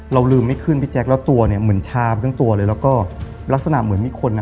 เราลืมไม่ขึ้นพี่แจ๊คแล้วตัวเนี่ยเหมือนชาไปทั้งตัวเลยแล้วก็ลักษณะเหมือนมีคนอ่ะ